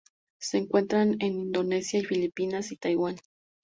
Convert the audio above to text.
Se encuentran en Indonesia, las Filipinas y Taiwán.